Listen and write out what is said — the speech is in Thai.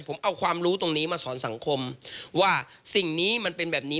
ผมเอาความรู้ตรงนี้มาสอนสังคมว่าสิ่งนี้มันเป็นแบบนี้